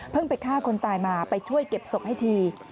ไปฆ่าคนตายมาไปช่วยเก็บศพให้ที